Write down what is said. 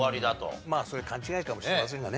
まあそれは勘違いかもしれませんがね。